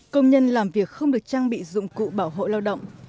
công nhân làm việc không được trang bị dụng cụ bảo hộ lao động